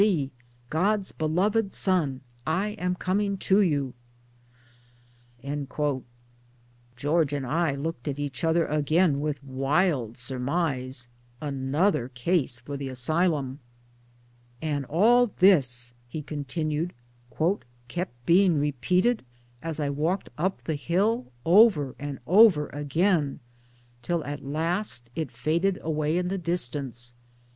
C. God's beloved Son, I am earning to you." '[George and I looked at each other again with a wild surmise 1 Another case for the Asylum 1] " And all this/' he continued, " kept being re MILLTHORPI ANA 1 8 5 peated as I walked up the hill, over and over again, till at last it faded away in the distance.